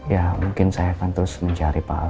ya mungkin saya akan terus mencari pak